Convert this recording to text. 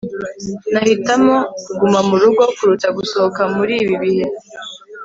nahitamo kuguma murugo kuruta gusohoka muri ibi bihe